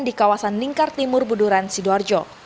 di kawasan lingkar timur buduran sidoarjo